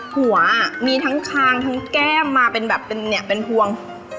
หัวมีทั้งคางทั้งแก้มมาเป็นแบบเป็นเนี่ยเป็นพวง